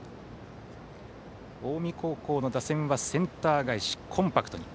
近江高校の打線はセンター返し、コンパクトに。